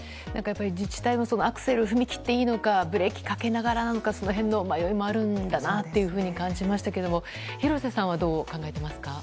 自治体もアクセルを踏み切っていいのかブレーキかけながらなのかその辺の迷いもあるんだなっていうふうに感じましたけれども廣瀬さんはどう考えていますか。